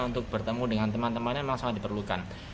untuk bertemu dengan teman temannya memang sangat diperlukan